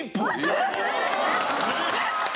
えっ！？